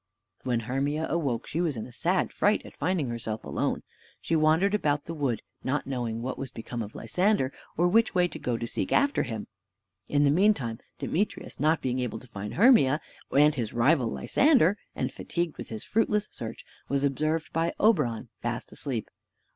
When Hermia awoke, she was in a sad fright at finding herself alone. She wandered about the wood, not knowing what was become of Lysander, or which way to go to seek for him. In the meantime Demetrius not being able to find Hermia and his rival Lysander, and fatigued with his fruitless search, was observed by Oberon fast asleep.